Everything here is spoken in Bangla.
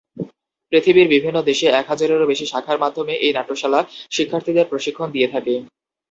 পৃথিবীর বিভিন্ন দেশে এক হাজারেরও বেশি শাখার মাধ্যমে এই নাট্যশালা শিক্ষার্থীদের প্রশিক্ষণ দিয়ে থাকে।